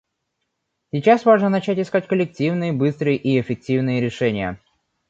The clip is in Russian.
Сейчас важно начать искать коллективные, быстрые и эффективные решения.